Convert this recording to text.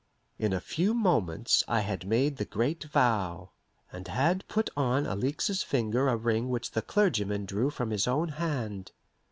In a few moments I had made the great vow, and had put on Alixe's finger a ring which the clergyman drew from his own hand.